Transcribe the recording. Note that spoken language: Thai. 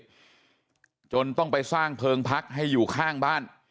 จนต้องไปสร้างเพลิงพักให้อยู่ข้างบ้าน